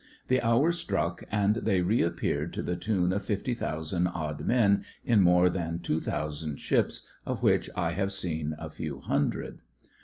The hour struck, and they reappeared, to the tune of fifty thousand odd men in more than two thousand ships, of which I have seen a few hundred.